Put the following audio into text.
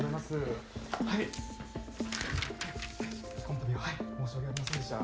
このたびははい申し訳ありませんでした。